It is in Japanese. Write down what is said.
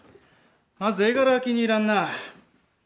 まず絵柄が気に入らんな。